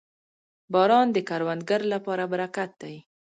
• باران د کروندو لپاره برکت دی.